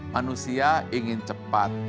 manusia ingin cepat